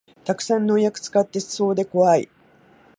たくさん農薬使ってそうでこわい